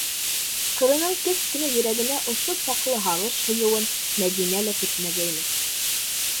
Ҡыҙының кес кенә йөрәгенә ошо саҡлы һағыш һыйыуын Мәҙинә лә көтмәгәйне.